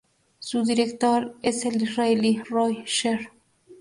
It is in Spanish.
Su director es el israelí Roy Sher.